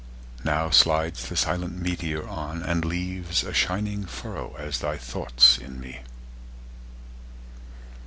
Now slides the silent meteor on, and leavesA shining furrow, as thy thoughts in me.